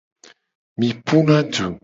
Mi puna du.